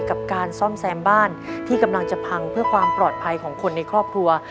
กับการซ่อมแซมบ้านที่กำลังจะพังเพื่อความปลอดภัยของคนในครอบครัว